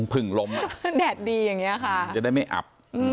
พึ่งล้มแดดดีอย่างนี้ค่ะจะได้ไม่อับ